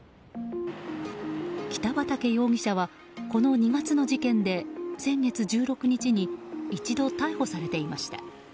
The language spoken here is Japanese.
北畠容疑者はこの２月の事件で先月１６日に一度逮捕されていました。